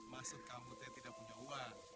maksud kamu teh tidak punya uang